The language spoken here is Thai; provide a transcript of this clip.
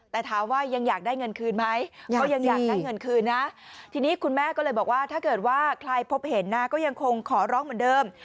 แต่ถามว่ายังอยากได้เงินคืนไหมก็ยังอยากได้เงินคืนนะทีนี้คุณแม่ก็เลยบอกว่าถ้าเกิดว่าใครพบเห็นนะก็ยังคงขอร้องเหมือนเดิม